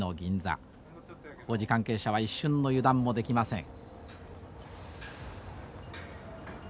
工事関係者は一瞬の油断もできません。